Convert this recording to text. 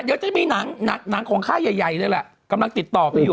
เดี๋ยวจะมีหนังของค่ายใหญ่เลยแหละกำลังติดต่อไปอยู่